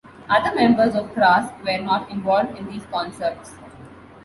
Other members of Crass were not involved in these concerts.